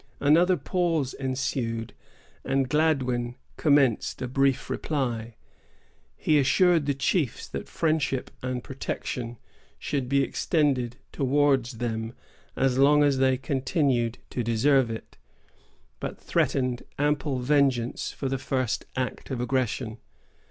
Another pause ensued, and Gladwyn commenced a brief reply. He assured the chiefs that friendship and protection should be extended towards them as long as they continued to deserve it, but threatened ample vengeance for the first act of aggression.